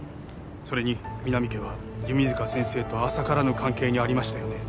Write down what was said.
それに皆実家は弓塚先生と浅からぬ関係にありましたよね